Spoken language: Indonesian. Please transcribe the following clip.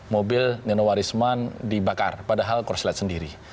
mobil nino warisman dibakar padahal korslet sendiri